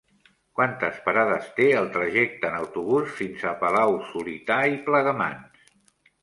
Quantes parades té el trajecte en autobús fins a Palau-solità i Plegamans?